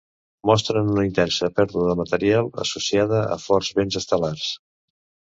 Mostren una intensa pèrdua de material associada a forts vents estel·lars.